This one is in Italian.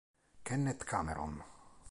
Kenneth Cameron